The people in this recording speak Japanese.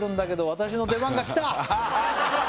私の出番がきた！